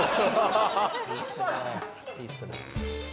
いいっすねえ